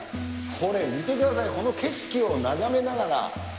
これ、見てください、この景色を眺めながら。